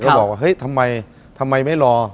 บอกว่าเฮ้ยทำไมทำไมไม่รอ